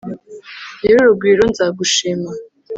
nyir’urugwiro nzagushima